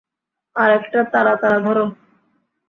আর একটা তারা তারা ধরো।